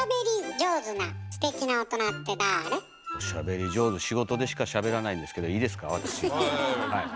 おしゃべり上手仕事でしかしゃべらないんですけどいいですか？